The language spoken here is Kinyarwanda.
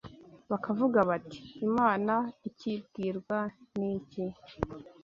Bakavuga bati: “Imana ikibwirwa n’iki?